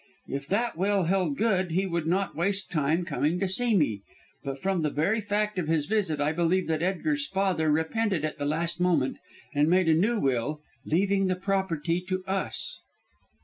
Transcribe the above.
If that will held good he would not waste time coming to see me, but from the very fact of his visit I believe that Edgar's father repented at the last moment, and made a new will, leaving the property to us."